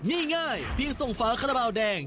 ง่ายเพียงส่งฝาขนาบราวแดง